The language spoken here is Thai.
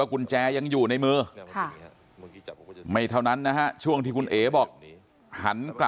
กลับมาพิวัติใบนี้ต้องมองช่วงที่กำลังเดินลงจากรถ